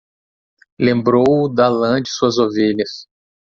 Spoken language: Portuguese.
Lembrou-o da lã de suas ovelhas...